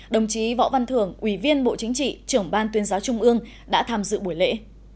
đồng chí võ văn thưởng ủy viên bộ chính trị trưởng ban tuyên giáo trung ương đã tham dự buổi lễ